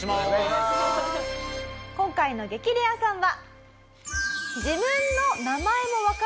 今回の激レアさんは。